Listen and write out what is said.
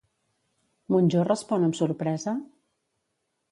Monjó respon amb sorpresa?